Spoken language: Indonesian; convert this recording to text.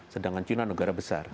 sedangkan cina negara besar